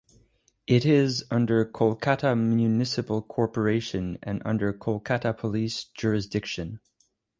It is under Kolkata Municipal Corporation and under Kolkata Police Jurisdiction.